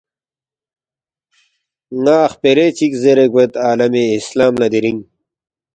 نا خپرے چک زیرے گوید عالم اسلام لا دیرینگ